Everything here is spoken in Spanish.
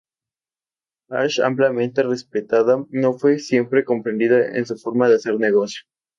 Ash ampliamente respetada, no fue siempre comprendida en su forma de hacer negocio.